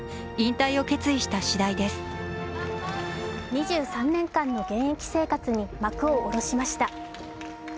２３年間の現役生活に幕を下ろしました。